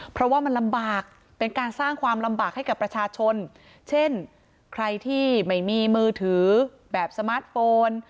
เพราะว่ามันลำบากเป็นการสร้างความลำบากให้กับประชาชนเช่นใครที่ไม่มีมือถือแบบสมาร์ทโฟน